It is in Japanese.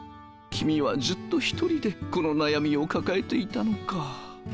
君はずっと一人でこの悩みを抱えていたのか。